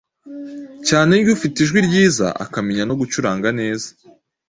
cyane y’ufite ijwi ryiza akamenya no gucuranga neza,